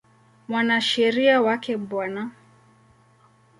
Mwanasheria wake Bw.